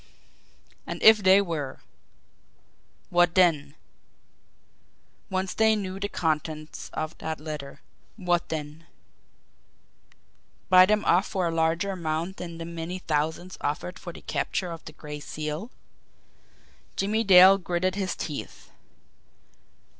And if they were! What then? Once they knew the contents of that letter what then? Buy them off for a larger amount than the many thousands offered for the capture of the Gray Seal? Jimmie Dale gritted his teeth.